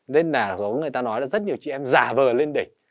nên là người ta nói là rất nhiều chị em giả vờ lên đỉnh